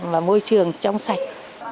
và môi trường trong sạch